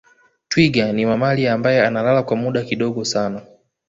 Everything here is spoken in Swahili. twiga ni mamalia ambaye analala kwa muda kidogo sana